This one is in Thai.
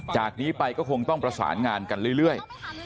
จากนี้ไปก็คงต้องประสานงานกันเรื่อย